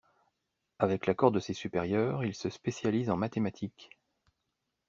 Avec l'accord de ses supérieurs, il se spécialise en mathématiques.